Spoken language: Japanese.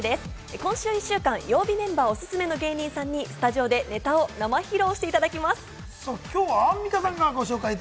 今週１週間、曜日メンバーおすすめの芸人さんにスタジオでネタをチキンラーメン！